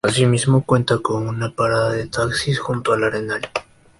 Asimismo, cuenta con una parada de taxis junto al Arenal.